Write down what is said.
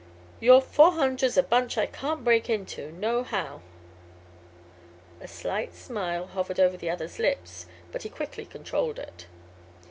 Your '400's' a bunch I can't break into, nohow." A slight smile hovered over the other's lips, but he quickly controlled it.